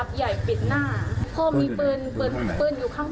บัดเดก็คือปืนของพ่อให้เอาปืนข้างค่ะ